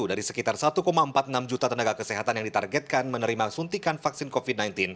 dari sekitar satu empat puluh enam juta tenaga kesehatan yang ditargetkan menerima suntikan vaksin covid sembilan belas